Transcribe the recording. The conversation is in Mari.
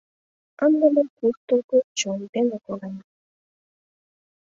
Ынде мый куштылго чон дене колем.